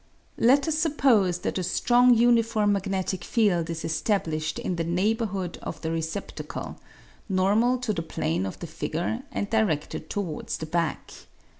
Let us suppose that a strong uniform magnetic field is established in the neighbourhood of the receptacle, normal to the plane of the figure and diredted towards the back.